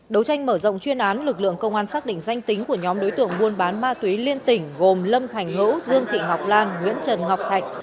đấu tranh mở rộng chuyên án lực lượng công an xác định danh tính của nhóm đối tượng buôn bán ma túy liên tỉnh gồm lâm thành hữu dương thị ngọc lan nguyễn trần ngọc thạch